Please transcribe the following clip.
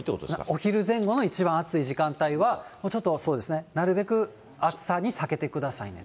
お昼前後の一番暑い時間帯は、ちょっとそうですね、なるべく暑さを避けてくださいね。